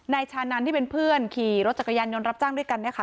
ชานันที่เป็นเพื่อนขี่รถจักรยานยนต์รับจ้างด้วยกันนะคะ